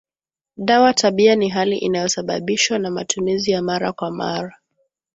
dawa tabia ni hali inayosababishwa na matumizi ya mara kwa mara